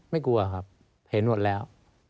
กลัวครับเห็นหมดแล้ว